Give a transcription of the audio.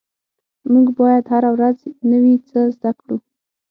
مونږ باید هره ورځ نوي څه زده کړو